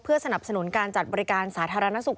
สนับสนุนการจัดบริการสาธารณสุข